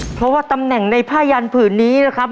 เพราะว่าตำแหน่งในผ้ายันผืนนี้นะครับ